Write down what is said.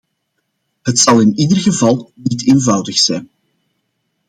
Het zal in ieder geval niet eenvoudig zijn.